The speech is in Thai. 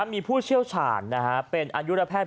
มีผู้เชี่ยวชาญเป็นอายุระแพทย